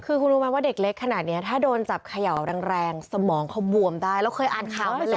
คือคุณรู้ไหมว่าเด็กเล็กขนาดนี้ถ้าโดนจับเขย่าแรงสมองเขาบวมได้เราเคยอ่านข่าวมาแล้ว